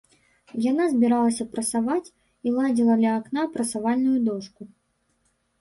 Яна збіралася прасаваць і ладзіла ля акна прасавальную дошку.